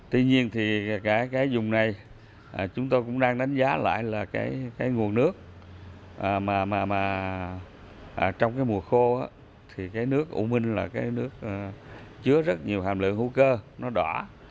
tuy nhiên thì cả cái dùng này chúng tôi cũng đang đánh giá lại là cái nguồn nước mà trong cái mùa khô thì cái nước u minh là cái nước chứa rất nhiều hàm lượng hữu cơ nó đỏ